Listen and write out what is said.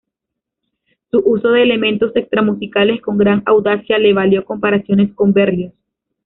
Su uso de elementos extra-musicales con gran audacia le valió comparaciones con Berlioz.